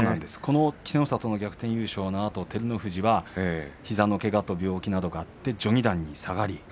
稀勢の里の逆転優勝のあと照ノ富士は膝のけがと病気などがあって序二段に下がり